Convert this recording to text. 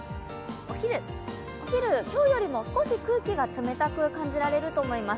お昼、今日よりも少し空気が冷たく感じられると思います。